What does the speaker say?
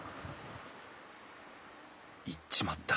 行っちまった。